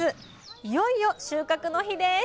いよいよ収穫の日です